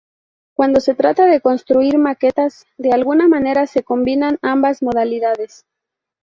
Cuando se trata de construir maquetas, de alguna manera se combinan ambas modalidades.